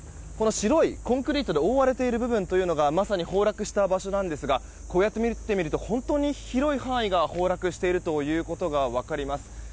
白いコンクリートで覆われている部分がまさに崩落した場所なんですがこうやって見てみると本当に広い範囲が崩落していることが分かります。